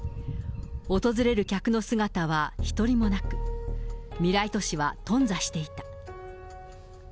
訪れる客の姿は一人もなく、未来都市はとん挫していた。